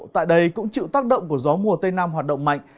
tại đây cũng chịu tác động của gió mùa tây nam hoạt động mạnh